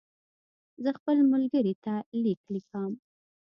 زه خپل ملګري ته لیک لیکم.